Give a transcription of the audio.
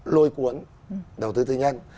lôi cuốn đầu tư tư nhân